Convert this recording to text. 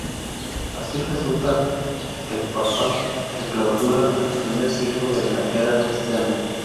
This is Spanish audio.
Así resulta el papa que clausura el primer siglo de la era cristiana.